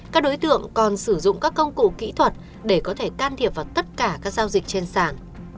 các đối tượng còn sử dụng các công cụ kỹ thuật để có thể can thiệp vào tất cả các giao dịch trên sàn